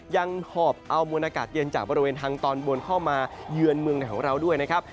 หอบเอามวลอากาศเย็นจากบริเวณทางตอนบนเข้ามาเยือนเมืองในของเราด้วยนะครับ